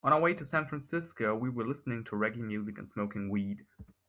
On our way to San Francisco, we were listening to reggae music and smoking weed.